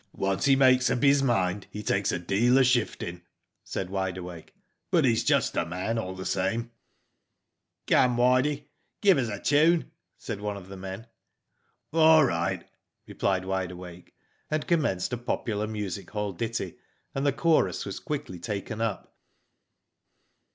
"Once he makes up his mind he takes a* deal of shifting," said Wide Awake, '*but he's a just man all the same." "Come, Widey, give us a tune,*^ said one of the men. " All right " replied Wide Awake, and com menced a popular music hall ditty, and the chorus was quickly taken up.